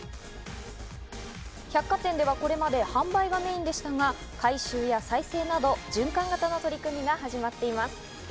百貨店ではこれまで販売がメインでしたが、回収や再生など循環型の取り組みが始まっています。